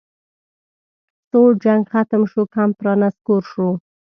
سوړ جنګ ختم شو کمپ رانسکور شو